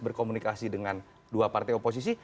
berkomunikasi dengan dua partai oposisi